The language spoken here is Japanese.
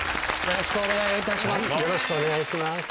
よろしくお願いします。